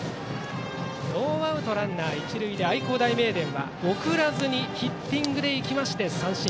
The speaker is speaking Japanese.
ノーアウトランナー、一塁で愛工大名電は送らずにヒッティングでいきまして三振。